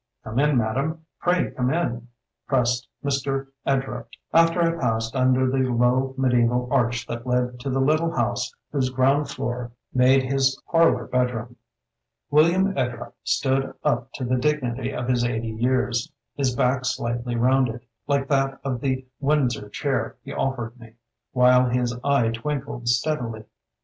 "Come in, madam, pray come in," pressed Mr. Edrupt after I passed under the low mediseval arch that led to the little house whose ground floor made his parlor bedroom. William Ed rupt stood up to the dignity of his eighty years, his back slightly rounded like that of the Windsor chair he of fered me, while his eye twinkled stead ily.